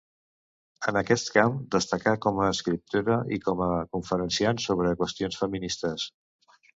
En aquest camp destacà com a escriptora i com a conferenciant sobre qüestions feministes.